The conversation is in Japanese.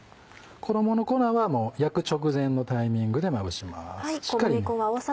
衣の粉は焼く直前のタイミングでまぶします。